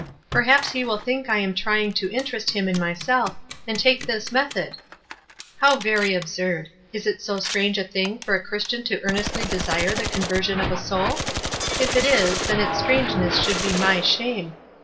Perhaps he will think I am trying to interest him in myself, and take this method. How very absurd ! Is it so strange a thing for a Christian to earnestly desire the conversion of a sonl? If it is, then its strange ness should be my shame.